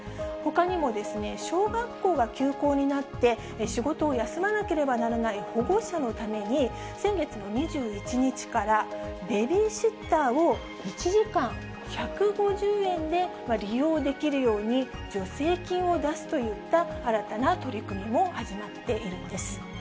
ほかにもですね、小学校が休校になって、仕事を休まなければならない保護者のために、先月の２１日からベビーシッターを１時間１５０円で利用できるように助成金を出すといった新たな取り組みも始まっているんです。